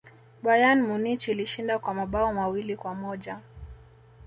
bayern munich ilishinda kwa mabao mawili kwa moja